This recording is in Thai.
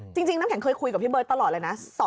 น้ำแข็งเคยคุยกับพี่เบิร์ตตลอดเลยนะ